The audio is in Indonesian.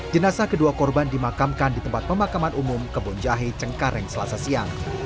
jenazah kedua korban dimakamkan di tempat pemakaman umum kebon jahe cengkareng selasa siang